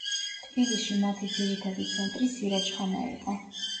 თბილისში მათი ძირითადი ცენტრი „სირაჯხანა“ იყო.